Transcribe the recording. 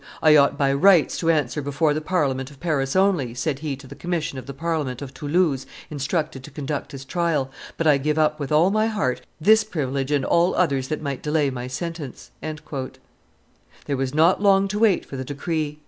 "I ought by rights to answer before the Parliament of Paris only," said he to the commission of the Parliament of Toulouse instructed to conduct his trial, "but I give up with all my heart this privilege and all others that might delay my sentence." There was not long to wait for the decree.